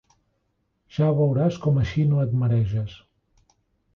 Ja veuràs com així no et mareges.